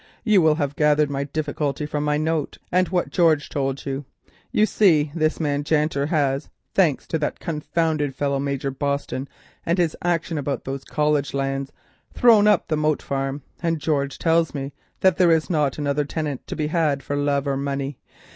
You will have gathered my difficulty from my note and what George told you. You see this man Janter—thanks to that confounded fellow, Major Boston, and his action about those College Lands—has thrown up the Moat Farm, and George tells me that there is not another tenant to be had for love or money.